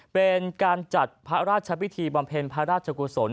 เป็นการจัดพระราชพิธีบำเพ็ญพระราชกุศล